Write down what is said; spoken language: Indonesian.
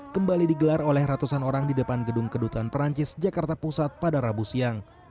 kembali digelar oleh ratusan orang di depan gedung kedutaan perancis jakarta pusat pada rabu siang